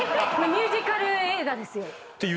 ミュージカル映画ですよ。